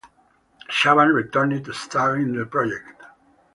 Shaban returned to star in the project.